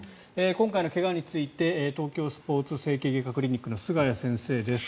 今回の怪我について東京スポーツ＆整形外科クリニックの菅谷先生です。